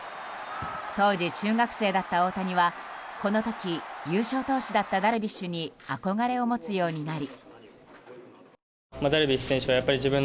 当時、中学生だった大谷はこの時、優勝投手だったダルビッシュに憧れを持つようになり。